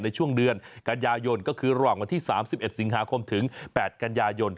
ในช่วงเดือนกันยายนก็คือระหว่างวันที่๓๑สิงหาคมถึง๘กันยายน